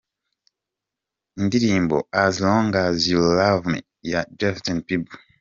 Indirimbo "As long as you Love me" ya Justin Beiber